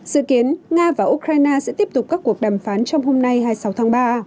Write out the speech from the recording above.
dự kiến nga và ukraine sẽ tiếp tục các cuộc đàm phán trong hôm nay hai mươi sáu tháng ba